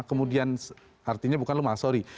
kemudian artinya bukan lupa sorry